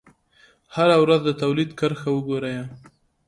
هره ورځ د تولید کرښه وګورئ.